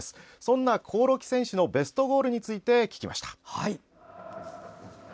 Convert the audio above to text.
そんな興梠選手のベストゴールについて聞きました。